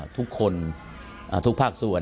ทุกคนทุกภาคส่วน